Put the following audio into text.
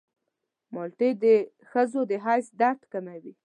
مالټې د ښځو د حیض درد کموي.